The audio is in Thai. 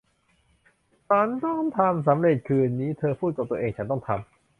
ฉันต้องทำสำเร็จคืนนี้ เธอพูดกับตัวเอง ฉันต้องทำ